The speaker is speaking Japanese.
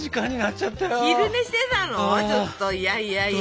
ちょっといやいやいや。